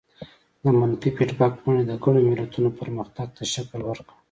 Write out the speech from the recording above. د منفي فیډبک بڼې د ګڼو ملتونو پرمختګ ته شکل ورکړ.